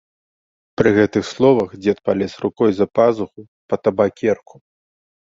Пры гэтых словах дзед палез рукой за пазуху па табакерку.